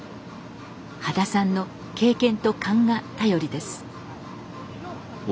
羽田さんの経験と勘が頼りです。